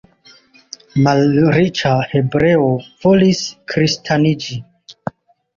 Malriĉa hebreo volis kristaniĝi.